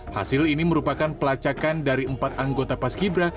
hasil ini merupakan pelacakan dari empat anggota paskibra